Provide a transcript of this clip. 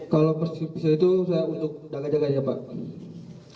kalau persis itu saya untuk dana jaganya pak